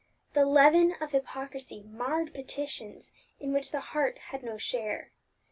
The leaven of hypocrisy marred petitions in which the heart had no share.